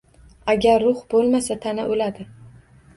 Agar ruh bo‘lmasa, tana o‘ladi.